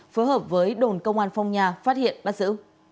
phối hợp với đồn công an phong nha phát hiện bắt giữ